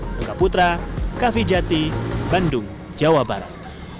noga putra kv jati bandung jawa barat